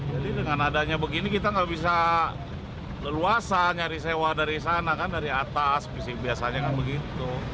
jadi dengan adanya begini kita tidak bisa leluasa nyari sewa dari sana kan dari atas biasanya kan begitu